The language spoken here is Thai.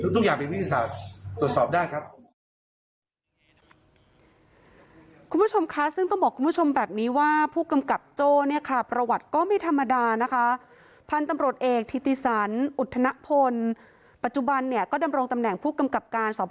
ทุกอย่างเป็นวิทยาศาสตร์ตรวจสอบได้ครับ